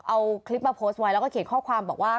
เอาคลิปมาโพสต์ไว้แล้วก็เขียนข้อความบอกว่า